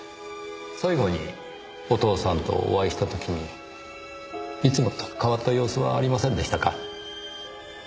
最後にお父さんとお会いした時にいつもと変わった様子はありませんでしたか？